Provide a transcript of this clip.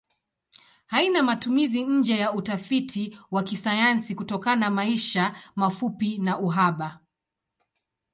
Haina matumizi nje ya utafiti wa kisayansi kutokana maisha mafupi na uhaba.